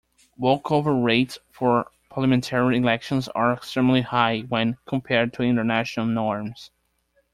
Walkover rates for parliamentary elections are extremely high when compared to international norms.